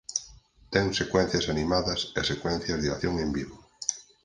Ten secuencias animadas e secuencias de acción en vivo.